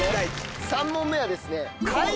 ３問目はですね。